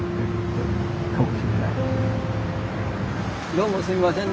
どうもすいませんね。